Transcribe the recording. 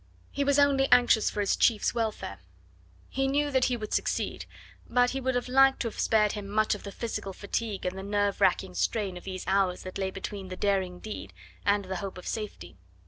He was only anxious for his chief's welfare. He knew that he would succeed, but he would have liked to have spared him much of the physical fatigue and the nerve racking strain of these hours that lay between the daring deed and the hope of safety.